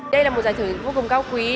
đây là một giải thưởng vô cùng cao quý